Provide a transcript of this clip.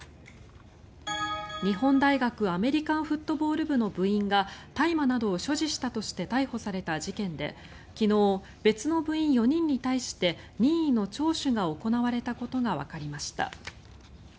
日本大学アメリカンフットボール部の部員が大麻などを所持したとして逮捕された事件で昨日、別の部員４人に対して任意の聴取が行われたことがわかりました。